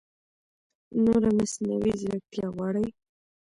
نوره مصنعوي ځېرکتیا غواړي